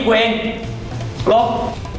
กูเองลบ